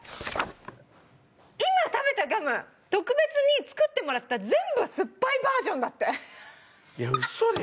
今食べたガム特別に作ってもらった全部すっぱいバージョンだって。